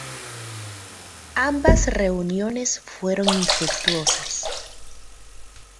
Ambas reuniones fueron infructuosas.